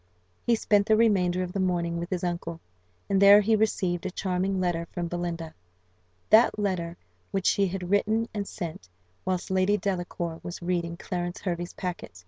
He spent the remainder of the morning with his uncle; and there he received a charming letter from Belinda that letter which she had written and sent whilst Lady Delacour was reading Clarence Hervey's packet.